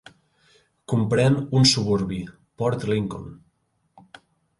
Comprèn un suburbi, Port Lincoln.